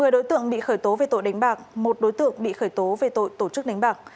một mươi đối tượng bị khởi tố về tội đánh bạc một đối tượng bị khởi tố về tội tổ chức đánh bạc